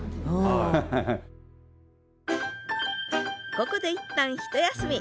ここで一旦ひと休み。